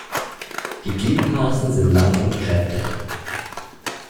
Die Gliedmaßen sind lang und kräftig.